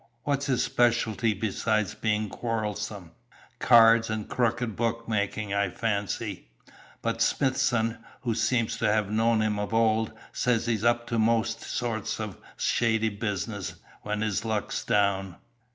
What's his specialty besides being quarrelsome?" "Cards, and crooked bookmaking, I fancy. But Smithson, who seems to have known him of old, says he's up to most sorts of shady business, when his luck's down."